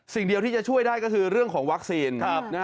สิ่งเดียวที่จะช่วยได้ก็คือเรื่องของวัคซีน